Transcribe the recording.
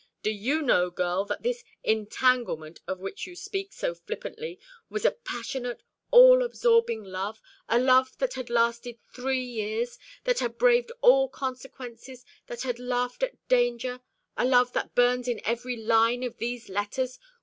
Do you know, girl, that this entanglement, of which you speak so flippantly, was a passionate all absorbing love a love that had lasted three years, that had braved all consequences, that had laughed at danger a love that burns in every line of these letters?